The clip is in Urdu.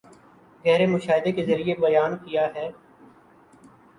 گہرے مشاہدے کے ذریعے بیان کیا ہے